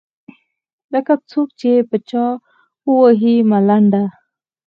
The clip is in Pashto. لکــــه څــوک چې په چـــا ووهي ملـــنډه.